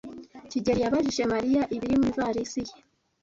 kigeli yabajije Mariya ibiri mu ivarisi ye.